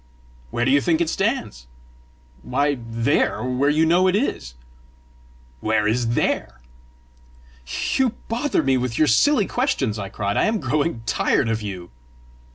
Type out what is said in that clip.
"Where do you think it stands?" "Why THERE, where you know it is!" "Where is THERE?" "You bother me with your silly questions!" I cried. "I am growing tired of you!"